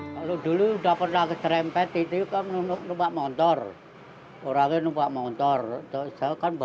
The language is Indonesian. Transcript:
lalu dulu udah pernah kecerempet itu kamu nunggu lupa motor orangnya lupa motor atau seakan